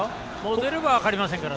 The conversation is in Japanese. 出るかも分かりませんから。